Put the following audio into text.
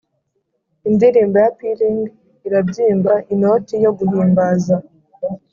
indirimbo ya pealing irabyimba inoti yo guhimbaza.